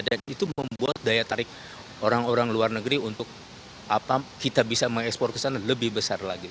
dan itu membuat daya tarik orang orang luar negeri untuk kita bisa mengekspor ke sana lebih besar lagi